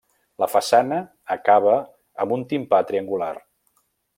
La façana acaba amb un timpà triangular.